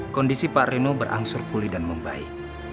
kondisi pak reno berangsur pulih dan membaik